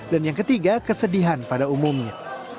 dan yang ketiga kesedihan pada umumnya